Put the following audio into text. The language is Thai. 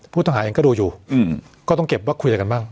ผู้ต้องหาเองก็ดูอยู่ก็ต้องเก็บว่าคุยอะไรกันบ้าง